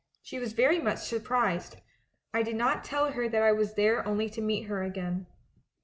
She was very much surprised; I did not tell her that I was there only to meet her again.